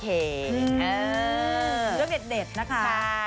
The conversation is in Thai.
เรื่องเด็ดนะคะ